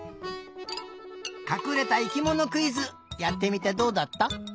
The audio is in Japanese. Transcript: かくれた生きものクイズやってみてどうだった？